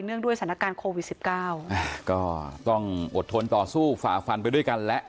งด้วยสถานการณ์โควิดสิบเก้าก็ต้องอดทนต่อสู้ฝ่าฟันไปด้วยกันแล้ว